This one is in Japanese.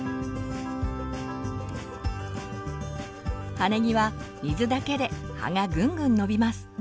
葉ねぎは水だけで葉がぐんぐん伸びます。